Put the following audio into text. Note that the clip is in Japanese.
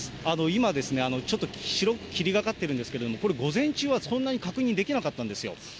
今、ちょっと白く霧がかっているんですけれども、これ、午前中はそんなに確認できなかったんですよ。